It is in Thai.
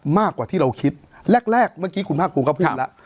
มากกว่าที่เราคิดแรกเมื่อกี้คุณภาคภูมิก็พูดแล้ว